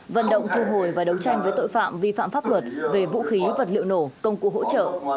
vận động thu hồi và đấu tranh với tội phạm vi phạm pháp luật về vũ khí vật liệu nổ công cụ hỗ trợ